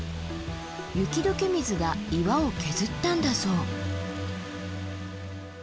雪解け水が岩を削ったんだそう。